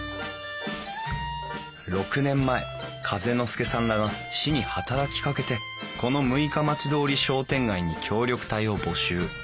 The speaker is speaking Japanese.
６年前風ノ介さんらが市に働きかけてこの六日町通り商店街に協力隊を募集。